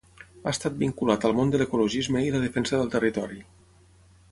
Ha estat vinculat al món de l'ecologisme i la defensa del territori.